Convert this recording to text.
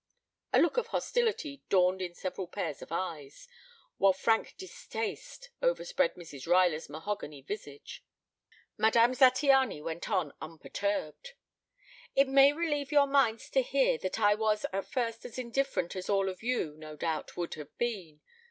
A look of hostility dawned in several pairs of eyes, while frank distaste overspread Mrs. Ruyler's mahogany visage. Madame Zattiany went on unperturbed. "It may relieve your minds to hear that I was at first as indifferent as all of you no doubt would have been.